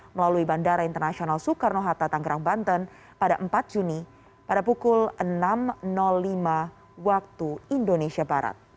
melalui bandara internasional soekarno hatta tanggerang banten pada empat juni pada pukul enam lima waktu indonesia barat